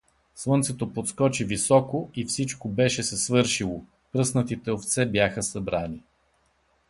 Слънцето подскочи високо — и всичко беше се свършило: пръснатите овце бяха събрани.